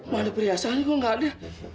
mana pria sen ini kok nggak ada